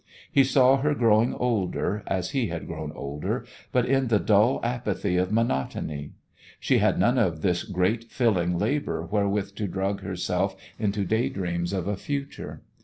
He saw her growing older, as he had grown older, but in the dull apathy of monotony. She had none of this great filling Labour wherewith to drug herself into day dreams of a future.